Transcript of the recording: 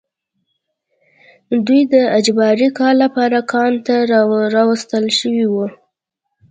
دوی د اجباري کار لپاره کان ته راوستل شوي وو